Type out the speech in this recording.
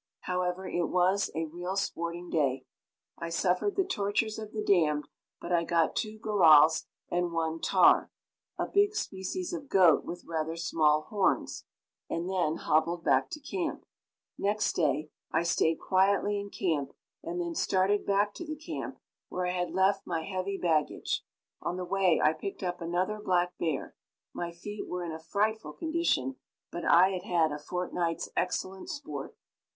However, it was a real sporting day. I suffered the tortures of the damned, but I got two gorals and one tahr a big species of goat with rather small horns and then hobbled back to camp. Next day I stayed quietly in camp, and then started back to the camp where I had left my heavy baggage. On the way I picked up another black bear. My feet were in a frightful condition, but I had had a fortnight's excellent sport.